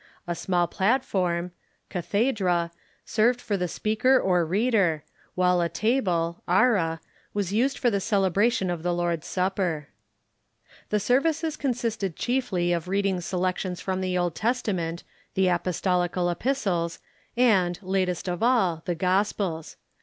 A small platform {cathedra) served for the speaker or reader, Avhile a table {ara) was used for the celebration of the Lord's Supper. The services consisted chiefly of reading selections from the Old Testament, the apostolical epistles, and, latest of all, the gospels.